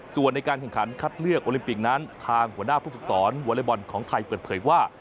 ส่วนในการแข่งขันคัดเลือกโอลิมปิกนั้นทางหัวหน้าผู้ฝึกสอนวอเล็กบอลของไทยเปิดเผยว่า